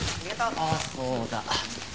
あっそうだ。